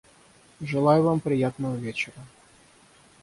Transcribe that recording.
Желаю вам приятного вечера.